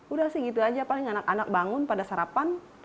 udah sih gitu aja paling anak anak bangun pada sarapan